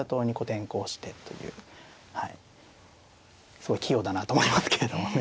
すごい器用だなと思いますけれどもね。